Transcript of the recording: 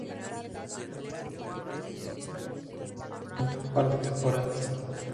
En esta última protagonizó la serie Padre Casares durante un par de temporadas.